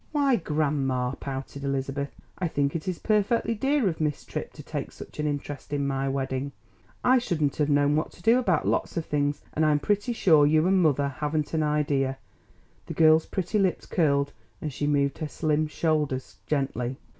"Why, grandma!" pouted Elizabeth. "I think it is perfectly dear of Miss Tripp to take such an interest in my wedding. I shouldn't have known what to do about lots of things, and I'm sure you and mother haven't an idea." The girl's pretty lips curled and she moved her slim shoulders gently.